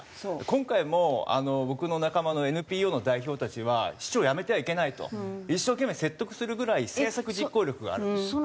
今回も僕の仲間のＮＰＯの代表たちは市長を辞めてはいけないと一生懸命説得するぐらい政策実行力があるんですよ。